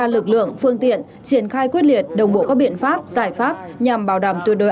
lực lượng phương tiện triển khai quyết liệt đồng bộ các biện pháp giải pháp nhằm bảo đảm tuyệt đối